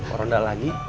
orang udah lagi